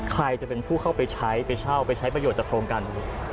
ใครจะเป็นผู้เข้าไปใช้ไปเช่าไปใช้ประโยชนจากโครงการนี้